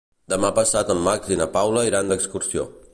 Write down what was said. Demà passat en Max i na Paula iran d'excursió.